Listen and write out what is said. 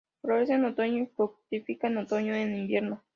Florece en otoño y fructifica en otoño e invierno.